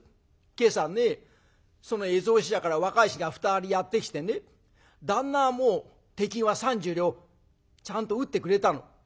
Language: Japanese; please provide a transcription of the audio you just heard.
「今朝ねその絵草紙屋から若い衆が２人やって来てね旦那はもう手金は３０両ちゃんと打ってくれたの。